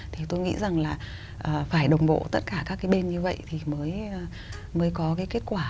thì tôi nghĩ rằng là phải đồng bộ tất cả các cái bên như vậy thì mới có cái kết quả